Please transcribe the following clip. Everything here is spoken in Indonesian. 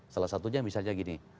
salah satunya misalnya begini